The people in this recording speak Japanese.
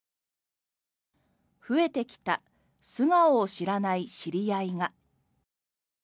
「増えてきた素顔を知らない知り合いが」。